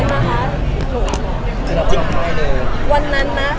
หนูณวันนั้นนะคะหนู